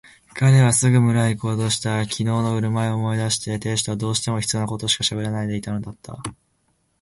彼はすぐ村へいこうとした。きのうのふるまいを思い出して亭主とはどうしても必要なことしかしゃべらないでいたのだったが、